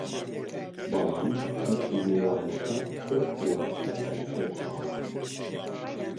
بەڵام هەردوو میوانەکە کۆک بوون لەسەر ئەو خاڵە